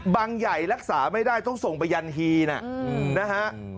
ใหญ่รักษาไม่ได้ต้องส่งไปยันฮีนะฮะ